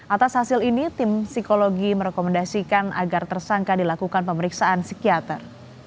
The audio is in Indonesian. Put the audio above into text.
atas hasil ini tim psikologi merekomendasikan agar tersangka dilakukan pemeriksaan psikiater